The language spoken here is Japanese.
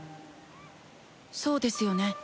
そうですよね？